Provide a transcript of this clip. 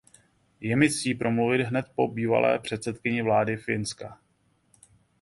Je mi ctí promluvit hned po bývalé předsedkyni vlády Finska.